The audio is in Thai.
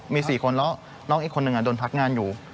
มี๔คนแล้วน้องอีกคนนึงโดนพักงานอยู่